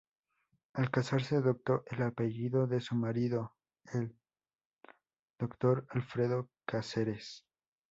Al casarse adoptó el apellido de su marido, el Dr. Alfredo Cáceres.